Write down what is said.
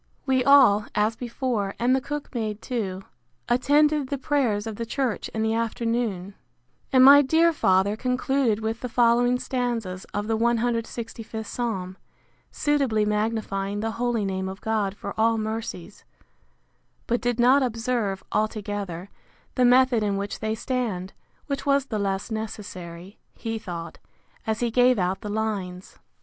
We all, as before, and the cook maid too, attended the prayers of the church in the afternoon; and my dear father concluded with the following stanzas of the cxlvth psalm; suitably magnifying the holy name of God for all mercies; but did not observe, altogether, the method in which they stand; which was the less necessary, he thought, as he gave out the lines.